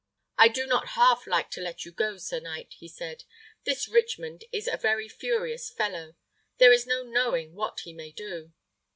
"I do not half like to let you go, sir knight," he said. "This Richmond is a very furious fellow. There is no knowing what he may do."